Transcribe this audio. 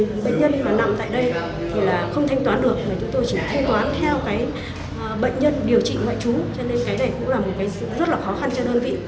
cho nên cái này cũng là một cái rất là khó khăn cho đơn vị